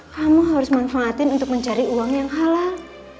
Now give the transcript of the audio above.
kamu harus manfaatin untuk mencari uang yang halal